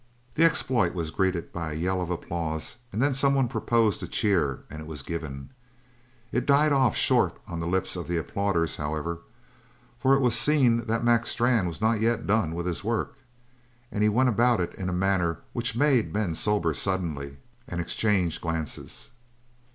The exploit was greeted by a yell of applause and then someone proposed a cheer, and it was given. It died off short on the lips of the applauders, however, for it was seen that Mac Strann was not yet done with his work, and he went about it in a manner which made men sober suddenly and exchange glances.